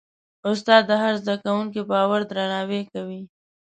استاد د هر زده کوونکي باور درناوی کوي.